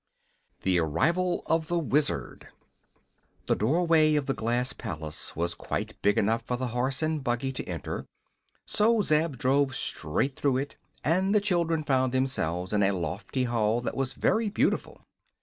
THE ARRIVAL OF THE WIZARD The doorway of the glass palace was quite big enough for the horse and buggy to enter, so Zeb drove straight through it and the children found themselves in a lofty hall that was very beautiful.